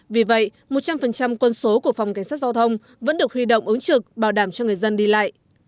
vì vậy một trăm linh quân số của phòng cảnh sát giao thông vẫn được huy động ứng trực bảo đảm cho người dân đi lại